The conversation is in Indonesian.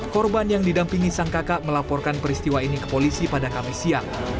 korban yang didampingi sang kakak melaporkan peristiwa ini ke polisi pada kamis siang